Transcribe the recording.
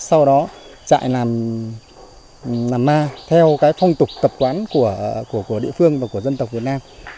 sau đó chạy làm ma theo cái phong tục tập quán của địa phương và của dân tộc việt nam